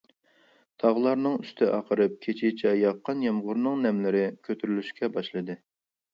تاغلارنىڭ ئۈستى ئاقىرىپ، كېچىچە ياغقان يامغۇرنىڭ نەملىرى كۆتۈرۈلۈشكە باشلىدى.